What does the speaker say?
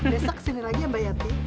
besok kesini lagi ya mbak yati